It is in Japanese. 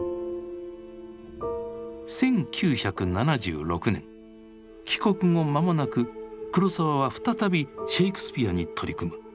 １９７６年帰国後間もなく黒澤は再びシェイクスピアに取り組む。